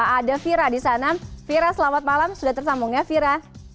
ada vira di sana vira selamat malam sudah tersambung ya fira